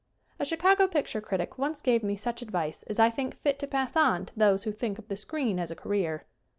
A Chicago picture critic once gave me such advice as I think fit to pass on to those who think of the screen as a career.